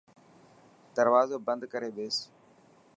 دروازو بند ڪري ٻيس.